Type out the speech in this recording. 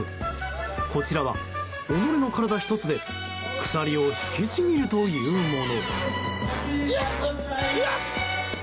こちらは、己の体一つで鎖を引きちぎるというもの。